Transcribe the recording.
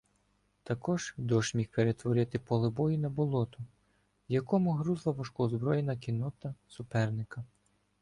Також дощ міг перетворити поле бою на болото, в якому грузла важкоозброєна кіннота суперника.